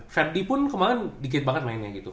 verdi pun kemaren di gate banget mainnya gitu